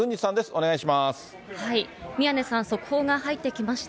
お願いします。